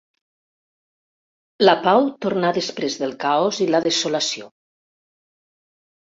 La pau torna després del caos i la desolació.